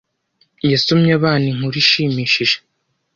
Yasomye abana inkuru ishimishije.